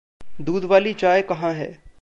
दूध वाली चाय कहाँ है?